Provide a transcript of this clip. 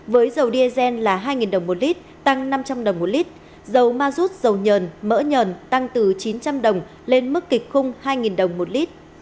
với dầu diesel là hai đồng một lít tăng năm trăm linh đồng một lít dầu ma rút dầu nhờn mỡ nhờn tăng từ chín trăm linh đồng lên mức kịch khung hai đồng một lít